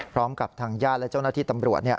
พร้อมกับทางญาติและเจ้านาธิตำรวจเนี่ย